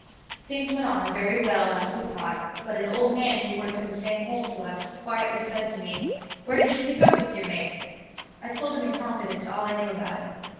Things went on very well, as we thought, but an old man who worked in the next hole to us, quietly said to me: "Where did you pick up with your mate?" I told him in confidence all I knew about him.